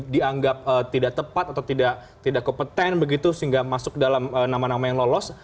dianggap tidak tepat atau tidak kompeten begitu sehingga masuk dalam nama nama yang lolos